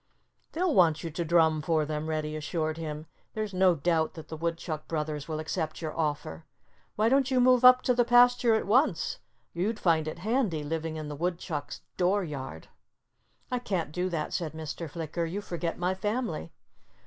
"They'll want you to drum for them," Reddy assured him. "There's no doubt that the Woodchuck brothers will accept your offer.... Why don't you move up to the pasture at once? You'd find it handy, living in the Woodchucks' door yard." "I can't do that," said Mr. Flicker. "You forget my family."